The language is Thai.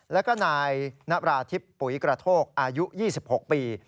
แล้วก็นายนราธิบปุ๋ยกระโทกอายุ๒๖ปี